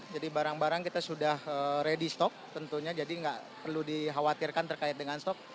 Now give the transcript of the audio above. jadi barang barang kita sudah ready stock tentunya jadi gak perlu dikhawatirkan terkait dengan stock